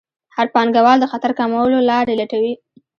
هر پانګوال د خطر کمولو لارې لټوي.